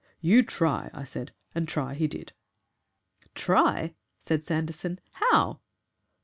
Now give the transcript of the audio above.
'You try,' I said, and try he did." "Try!" said Sanderson. "HOW?"